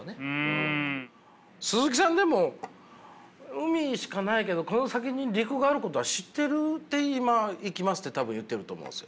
鈴木さんでも海しかないけどこの先に陸があることは知ってて今行きますって多分言ってると思うんですよ。